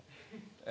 え！